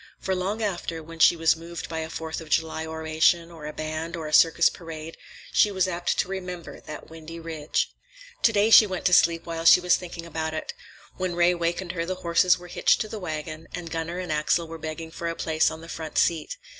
For long after, when she was moved by a Fourth of July oration, or a band, or a circus parade, she was apt to remember that windy ridge. To day she went to sleep while she was thinking about it. When Ray wakened her, the horses were hitched to the wagon and Gunner and Axel were begging for a place on the front seat.